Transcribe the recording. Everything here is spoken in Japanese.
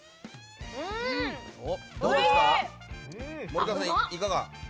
森川さん、いかが？